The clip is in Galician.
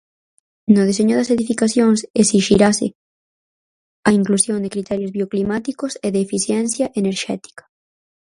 No deseño das edificacións esixirase a inclusión de criterios bioclimáticos e de eficiencia enerxética.